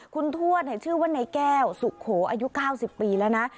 คุณทวดชื่อว่านายแก้วสุโขอายุ๙๐ปีแล้วนะ